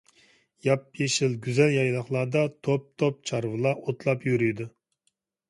ياپيېشىل، گۈزەل يايلاقلاردا توپ-توپ چارۋىلار ئوتلاپ يۈرىدۇ.